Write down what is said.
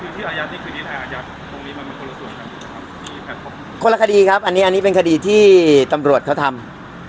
อาจารย์ตรงนี้มันเป็นคนละส่วนครับคนละคดีครับอันนี้อันนี้เป็นคดีที่ตำรวจเขาทำ